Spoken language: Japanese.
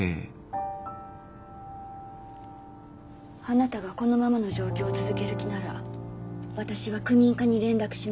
あなたがこのままの状況を続ける気なら私は区民課に連絡します。